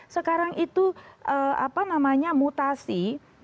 sekarang itu mutasi